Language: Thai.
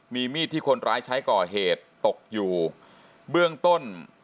มีมีดที่คนร้ายใช้ก่อเหตุตกอยู่เบื้องต้น